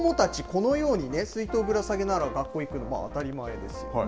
このように水筒をぶら下げながら学校へ行くのが当たり前ですよね。